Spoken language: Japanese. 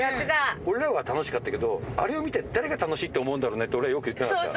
俺らは楽しかったけどあれを見て誰が楽しいって思うんだろうねって俺はよく言ってなかった？